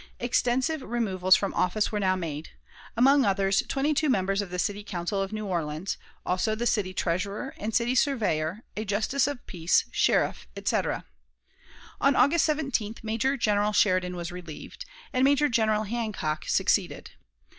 Extensive removals from office were now made among others, twenty two members of the City Council of New Orleans, also the city treasurer and city surveyor, a justice of peace, sheriff, etc. On August 17th Major General Sheridan was relieved, and Major General Hancock succeeded.